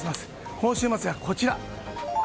今週末はこちら。